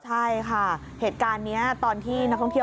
ใช่ค่ะเหตุการณ์นี้ตอนที่นักท่องเที่ยว